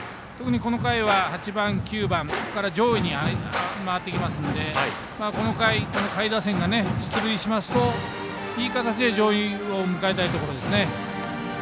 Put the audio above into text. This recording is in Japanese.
特にこの回は８番、９番から上位に回ってきますのでこの回、下位打線が出塁していい形で上位を迎えたいところです。